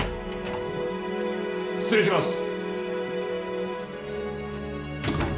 失礼します！